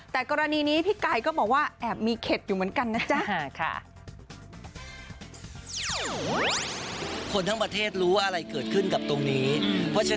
แต่กรณีนี้พี่ไก่ก็บอกว่าแอบมีเข็ดอยู่เหมือนกันนะจ๊ะ